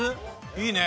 いいね。